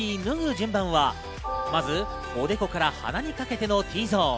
順番はまず、おでこから鼻にかけてのＴゾーン。